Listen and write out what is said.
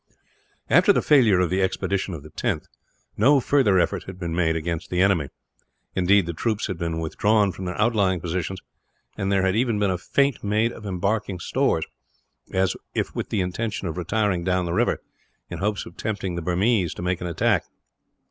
After the failure of the expedition of the 10th, no further effort had been made against the enemy. Indeed, the troops had been withdrawn from their outlying positions; and there had even been a feint made of embarking stores, as if with the intention of retiring down the river, in hopes of tempting the Burmese to make an attack.